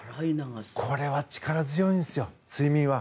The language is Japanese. これは力強いんですよ、睡眠は。